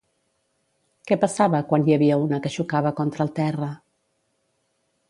Què passava quan hi havia una que xocava contra el terra?